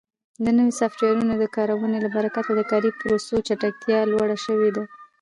د نوو سافټویرونو د کارونې له برکت د کاري پروسو چټکتیا لوړه شوې ده.